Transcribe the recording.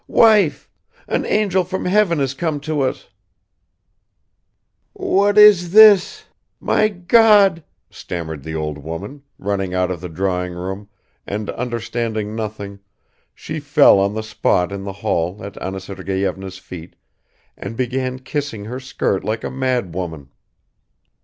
Wife! An angel from heaven has come to us ..." "What is this, my God!" stammered the old woman, running out of the drawing room, and understanding nothing, she fell on the spot in the hall at Anna Sergeyevna's feet and began kissing her skirt like a mad woman.